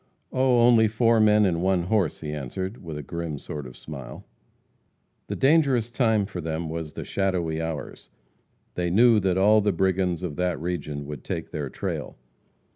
"Oh, only four men and one horse," he answered, with a grim sort of smile. The dangerous time for them was the shadowy hours. They knew that all the brigands of that region would take their trail.